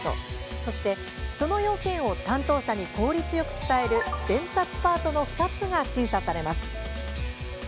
そして、その要件を担当者に効率よく伝える、伝達パートの２つが審査されます。